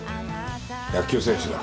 野球選手だ。